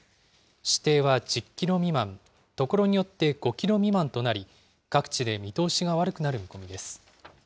視程は１０キロ未満、所によって５キロ未満となり、各地で見通しが悪くなる見込みです。